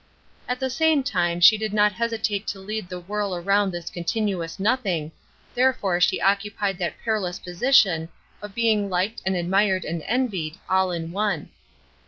At the same time she did not hesitate to lead the whirl around this continuous nothing, therefore she occupied that perilous position of being liked and admired and envied, all in one.